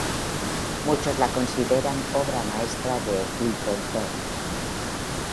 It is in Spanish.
Muchos la consideran obra maestra de il Pontormo.